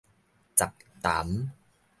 雜談